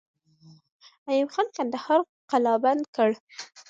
ایوب خان کندهار قلابند کړ.